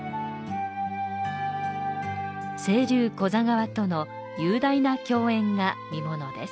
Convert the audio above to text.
清流古座川との雄大な共演が見物です。